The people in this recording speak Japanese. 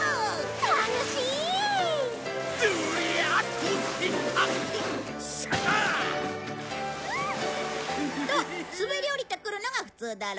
楽しい！どりゃ！と滑り降りてくるのが普通だろ？